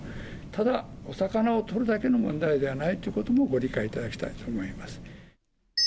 ただお魚を取るだけの問題ではないということも、ご理解いただきたいと思います。